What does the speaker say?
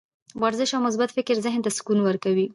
ورزش او مثبت فکر ذهن ته سکون ورکوي.